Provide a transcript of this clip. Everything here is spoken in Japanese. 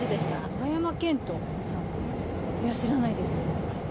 永山絢斗さん、いや、知らないです。